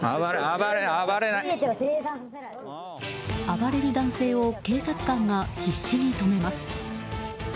暴れる男性を警察官が必死に止めます。